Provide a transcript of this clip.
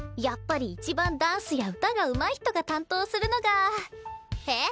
やっぱり一番ダンスや歌がうまい人が担当するのがへ？